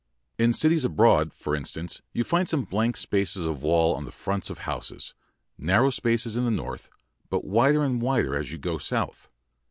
In cities abroad, for instance, you find some blank spaces of wall on the fronts of the houses, narrow spaces in the north, but wider and wider as you go south.